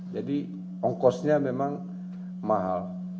jadi ongkosnya memang mahal